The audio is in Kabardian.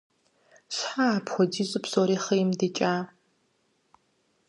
Щхьэ апхуэдизу псори хъийм дикӀа?